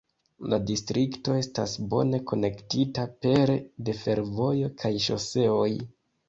La distrikto estas bone konektita pere de fervojo kaj ŝoseoj.